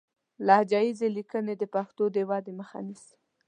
لهجه ييزې ليکنې د پښتو د ودې مخه نيسي